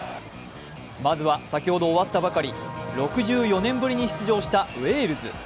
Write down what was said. まずは先ほど終わったばかり６４年ぶりに出場したウェールズ。